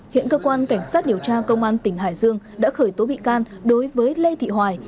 hiện cơ quan cảnh sát điều tra công an tỉnh hải dương đã khởi tố bị can đối với lê thị hoài